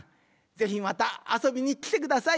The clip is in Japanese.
ぜひまたあそびにきてください。